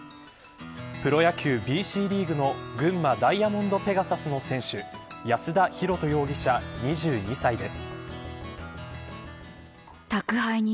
プロ野球ＢＣリーグの群馬ダイヤモンドペガサスの選手安田尋登容疑者、２２歳です。